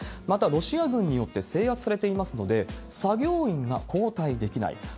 また、ロシア軍によって制圧されていますので、作業員が交代できない。